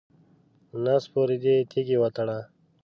نس پورې دې تیږې وتړه.